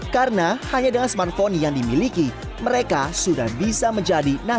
karena hanya dengan smartphone yang dimiliki mereka sudah bisa menjadi penabung